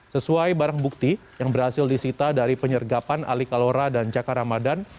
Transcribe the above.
sesuai barang bukti yang berhasil disita dari penyergapan ali kalora dan jaka ramadan